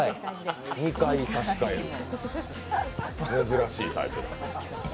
２回差し替え、珍しいタイプ。